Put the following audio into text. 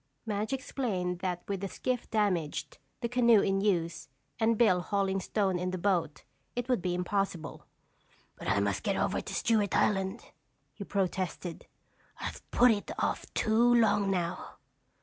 Madge explained that with the skiff damaged, the canoe in use, and Bill hauling stone in the boat, it would be impossible. "But I must get over to Stewart Island," he protested. "I've put it off too long now."